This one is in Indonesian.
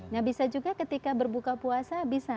nah bisa juga ketika berbuka puasa bisa